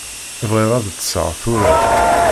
Bɣiɣ ad ṭṭseɣ tura.